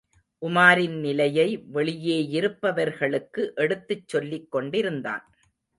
உமாரின் நிலையை வெளியேயிருப்பவர்களுக்கு எடுத்துச் சொல்லிக் கொண்டிருந்தான்.